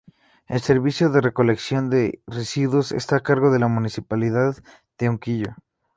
El servicio de recolección de residuos está a cargo de la Municipalidad de Unquillo.